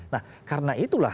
nah karena itulah